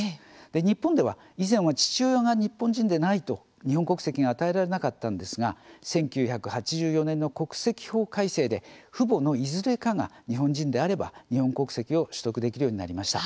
日本では、以前は父親が日本人でないと日本国籍が与えられなかったんですが１９８４年の国籍法改正で父母のいずれかが日本人であれば日本国籍を取得できるようになりました。